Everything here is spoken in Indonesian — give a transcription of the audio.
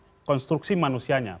menurut saya konstruksi manusianya